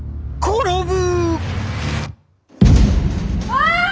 あ！